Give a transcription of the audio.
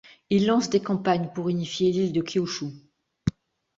Il lance des campagnes pour unifier l'île de Kyūshū.